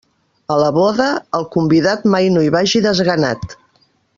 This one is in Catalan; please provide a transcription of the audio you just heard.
A la boda, el convidat mai no hi vagi desganat.